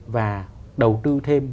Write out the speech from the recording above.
và đầu tư thêm